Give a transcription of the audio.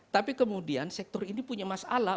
tapi kemudian sektor ini punya masalah